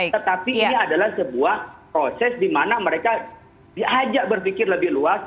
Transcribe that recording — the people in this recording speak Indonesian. tetapi ini adalah sebuah proses di mana mereka diajak berpikir lebih luas